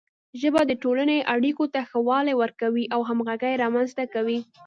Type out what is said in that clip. ژبه د ټولنې اړیکو ته ښه والی ورکوي او همغږي رامنځته کوي.